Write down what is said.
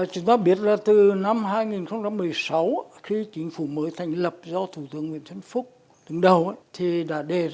chúng ta biết là từ năm hai nghìn một mươi sáu khi chính phủ mới thành lập do thủ tướng nguyễn xuân phúc đứng đầu thì đã đề ra